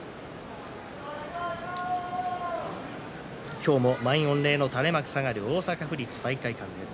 今日も満員御礼の垂れ幕が下がる大阪府立体育会館です。